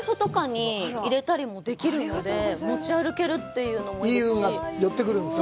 結構、お財布とかに入れたりもできるので、持ち歩けるというのもいいですしいい運が寄ってくるんですね。